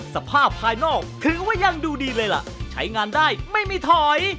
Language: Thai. ภายนอกถือว่ายังดูดีเลยล่ะใช้งานได้ไม่มีถอย